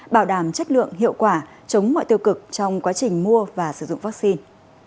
bảo đảm chất lượng hiệu quả chống mọi tiêu cực trong quá trình mua và sử dụng vaccine